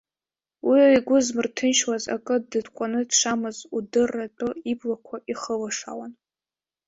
Уи игәы змырҭынчуаз акы дытҟәаны дшамаз удырратәы иблақәа ихылашауан.